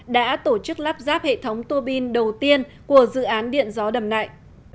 đã tổ chức lắp ráp hệ thống tuô bin đầu tiên của dự án điện gió đầm nại